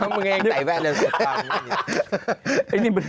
มึงเองใส่แว่นเลยคุณค่ะ